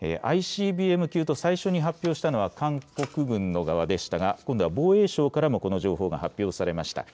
ＩＣＢＭ級と最初に発表したのは韓国軍の側でしたが今度は防衛省からの情報が発表されました。